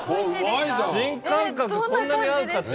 新感覚こんなに合うかって。